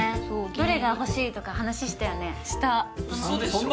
どれが欲しいとか話したよねしたウソでしょう？